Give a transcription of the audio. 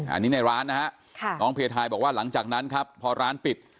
อันนี้ในร้านนะฮะน้องเพทายบอกว่าหลังจากนั้นครับพอร้านปิด